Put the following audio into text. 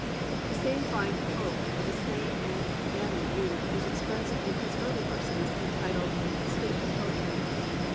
The same fine hope of a sane and manly youth is expressed in his early verses entitled "Sleep and Poetry."